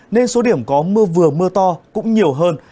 nên số điểm có mưa vừa mưa to cũng nhiều hơn